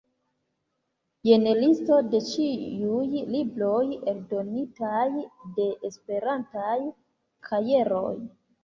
Jen listo de ĉiuj libroj eldonitaj de Esperantaj Kajeroj.